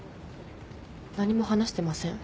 何も話してません。